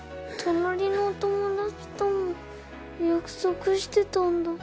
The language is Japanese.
隣のお友達とも約束してたんだ。